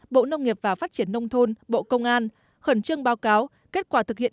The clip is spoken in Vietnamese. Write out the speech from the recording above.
bộ nông nghiệp và phát triển nông thôn bộ công an khẩn trương báo cáo kết quả thực hiện